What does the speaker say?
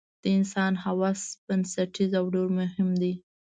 د انسان حواس بنسټیز او ډېر مهم دي.